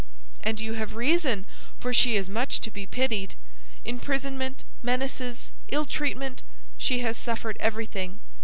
"And you have reason, for she is much to be pitied. Imprisonment, menaces, ill treatment—she has suffered everything.